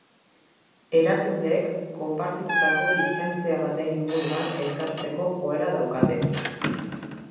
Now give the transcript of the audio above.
Erakundeek konpartitutako lizentzia baten inguruan elkartzeko joera daukate.